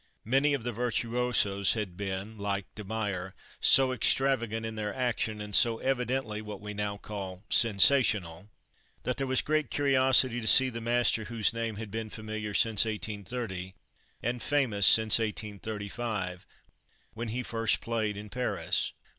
Many of the virtuosos had been like De Meyer so extravagant in their action, and so evidently what we now call "sensational," that there was great curiosity to see the master whose name had been familiar since 1830, and famous since 1835, when he first played in Paris.